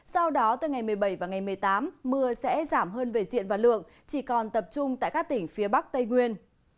sau đó từ ngày một mươi bảy và ngày một mươi tám mưa sẽ giảm hơn về diện và lượng chỉ còn tập trung tại các tỉnh phía bắc tây nguyên